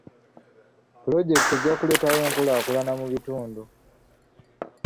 Pulojekiti ejja kuleetawo enkulaakulana mu bitundu.